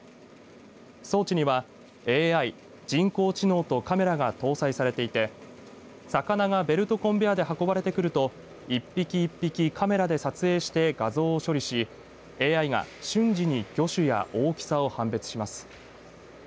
装置にはＡＩ、人工知能とカメラが搭載されていて魚がベルトコンベアで運ばれてくると一匹一匹カメラで撮影して画像を処理しＡＩが瞬時に魚種や大きさを判別します。